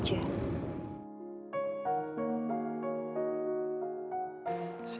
aku sudah selesai